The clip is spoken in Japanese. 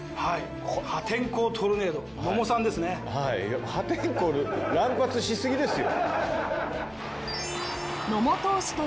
破天荒トルネード野茂さんですね。